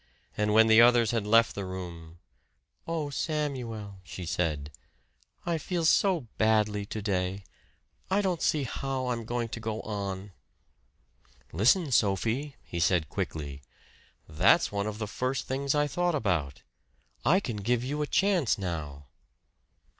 And when the others had left the room "Oh, Samuel," she said. "I feel so badly to day! I don't see how I'm going to go on." "Listen, Sophie," he said quickly. "That's one of the first things I thought about I can give you a chance now."